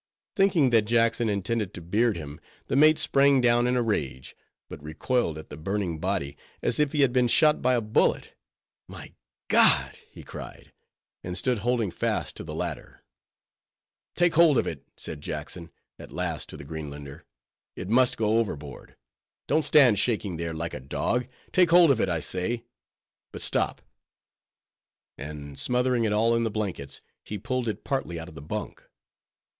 Thinking that Jackson intended to beard him, the mate sprang down in a rage; but recoiled at the burning body as if he had been shot by a bullet. "My God!" he cried, and stood holding fast to the ladder. "Take hold of it," said Jackson, at last, to the Greenlander; "it must go overboard. Don't stand shaking there, like a dog; take hold of it, I say! But stop"—and smothering it all in the blankets, he pulled it partly out of the bunk.